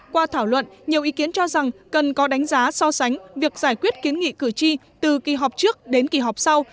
qua thảo luận nhiều ý kiến cho rằng cần có đánh giá so sánh việc giải quyết kiến nghị cử tri từ kỳ họp trước đến kỳ họp sau